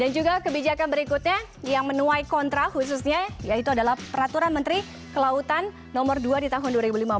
juga kebijakan berikutnya yang menuai kontra khususnya yaitu adalah peraturan menteri kelautan nomor dua di tahun dua ribu lima belas